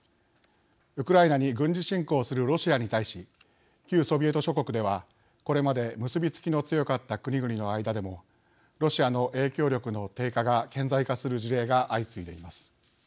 ウクライナに軍事侵攻するロシアに対し旧ソビエト諸国ではこれまで結び付きの強かった国々の間でもロシアの影響力の低下が顕在化する事例が相次いでいます。